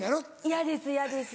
嫌です嫌です。